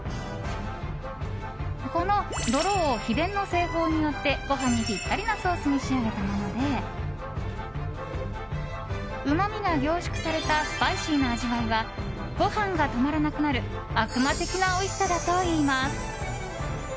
このどろを秘伝の製法によってご飯にぴったりなソースに仕上げたものでうまみが凝縮されたスパイシーな味わいはご飯が止まらなくなる悪魔的なおいしさだといいます。